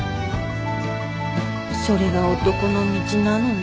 それが男の道なのね。